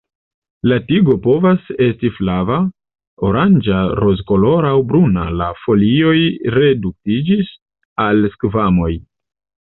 La tigo povas estis flava, oranĝa, rozkolora aŭ bruna, la folioj reduktiĝis al skvamoj.